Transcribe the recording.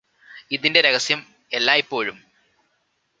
ഇതിന്റെ രഹസ്യം എല്ലായ്പ്പോഴും